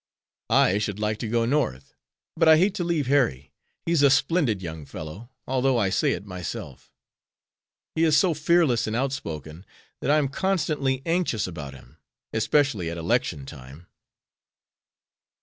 "I should like to go North, but I hate to leave Harry. He's a splendid young fellow, although I say it myself. He is so fearless and outspoken that I am constantly anxious about him, especially at election time."